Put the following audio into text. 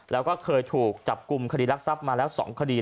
แล้วก็เคยถูกจับกลุ่มคดีรักทรัพย์มาแล้ว๒คดี